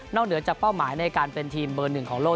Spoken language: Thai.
เหนือจากเป้าหมายในการเป็นทีมเบอร์หนึ่งของโลก